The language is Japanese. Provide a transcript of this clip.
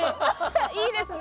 いいですね。